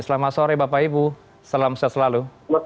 selamat sore bapak ibu salam sehat selalu